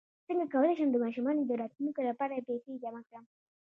څنګ کولی شم د ماشومانو د راتلونکي لپاره پیسې جمع کړم